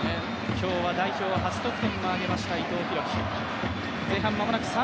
今日は代表初得点を挙げました伊藤洋輝。